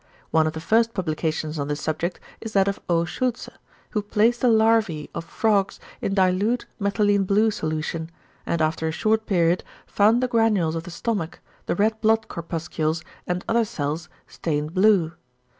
One of the first publications on this subject is that of O. Schultze, who placed the larvæ of frogs in dilute methylene blue solution, and after a short period found the granules of the stomach, the red blood corpuscles and other cells stained blue.